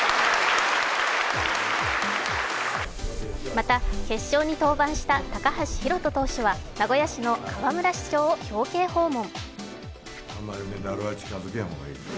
また決勝に登板した高橋宏斗投手は名古屋市の河村市長を表敬訪問。